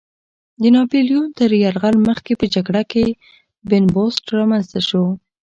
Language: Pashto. د ناپیلیون تر یرغل مخکې په جګړه کې بن بست رامنځته شو.